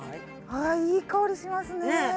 あいい香りしますねねえ